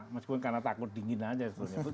mas kun karena takut dingin aja